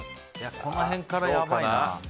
この辺からやばいな。